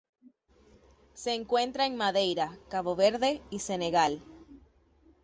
Se encuentra en Madeira, Cabo Verde y Senegal.